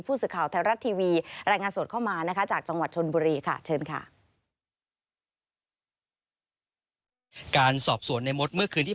ผู้สื่อข่าวไทยรัฐทีวี